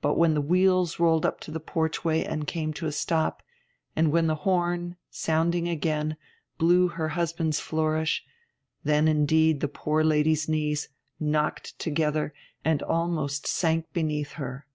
But when the wheels rolled up to the porchway and came to a stop, and when the horn, sounding again, blew her husband's flourish, then indeed the poor lady's knees knocked together and almost sank beneath her.